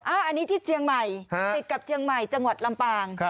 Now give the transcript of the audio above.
อันนี้ที่เชียงใหม่ติดกับเชียงใหม่จังหวัดลำปาง